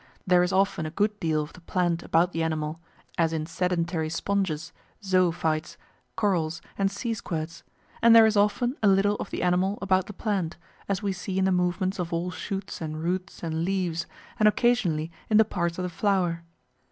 There is often a good deal of the plant about the animal, as in sedentary sponges, zoophytes, corals, and sea squirts, and there is often a little of the animal about the plant, as we see in the movements of all shoots and roots and leaves, and occasionally in the parts of the flower.